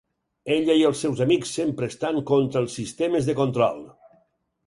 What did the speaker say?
Ella i els seus amics sempre estan contra els sistemes de control.